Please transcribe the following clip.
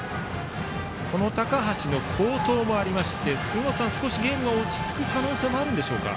この高橋の好投もありまして杉本さん、少しゲームが落ち着く可能性があるでしょうか。